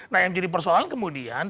nah yang jadi persoalan kemudian